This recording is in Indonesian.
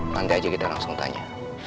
pandai aja kita langsung tanya